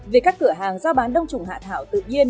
vì các cửa hàng giao bán đông trùng hạ thảo tự nhiên